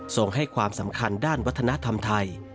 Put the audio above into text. ส่งให้ความสำคัญด้านวัฒนธรรมไทย